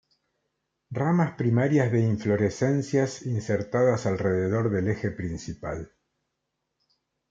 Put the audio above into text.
Ramas primarias de inflorescencias insertadas alrededor del eje principal.